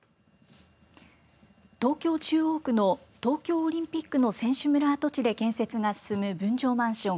東京中央区の東京オリンピックの選手村跡地で建設が進む分譲マンション